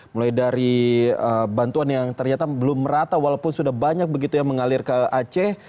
mulai dari bantuan yang ternyata belum merata walaupun sudah banyak begitu yang mengalir ke aceh